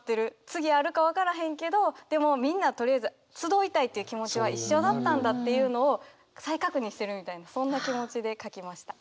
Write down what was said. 次あるか分からへんけどでもみんなとりあえず集いたいっていう気持ちは一緒だったんだっていうのを再確認してるみたいなそんな気持ちで書きました。